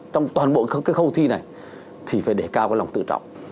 trong toàn bộ cái khâu thi này thì phải để cao cái lòng tự trọng